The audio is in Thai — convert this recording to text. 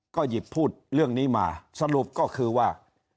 ก็หยิบพูดเรื่องนี้มาสรุปก็คือว่า